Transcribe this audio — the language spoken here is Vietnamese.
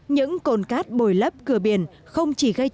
những cồn cát bồi lấp cửa biển không chỉ gây